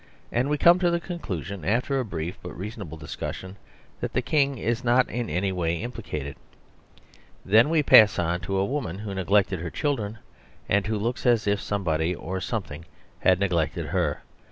And we come to the conclusion, after a brief but reasonable discussion, that the King is not in any way implicated. Then we pass on to a woman who neglected her children, and who looks as if somebody or something had neglected her.